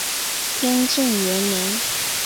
天正元年。